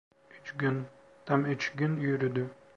Üç gün, tam üç gün yürüdü…